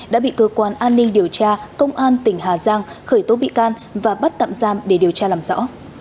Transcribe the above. đã bị cơ quan an ninh điều tra công an tỉnh hà giang khởi tố bị can và bắt tạm giam để điều tra làm rõ